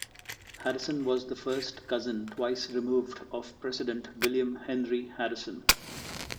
Harrison was the first cousin twice removed of President William Henry Harrison.